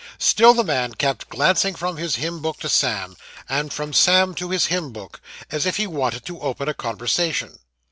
Still the man kept glancing from his hymn book to Sam, and from Sam to his hymn book, as if he wanted to open a conversation.